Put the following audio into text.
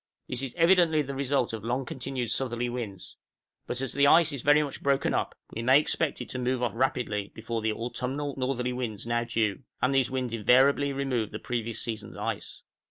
This is evidently the result of long continued southerly winds; but as the ice is very much broken up, we may expect it to move off rapidly before the autumnal northerly winds now due, and these winds invariably remove the previous season's ice.